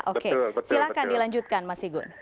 oke silahkan dilanjutkan mas igun